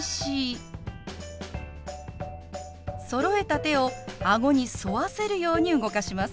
そろえた手を顎に沿わせるように動かします。